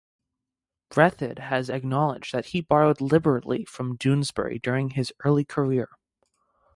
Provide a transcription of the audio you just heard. Breathed has acknowledged that he borrowed liberally from Doonesbury during his early career.